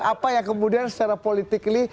apa yang kemudian secara politik ini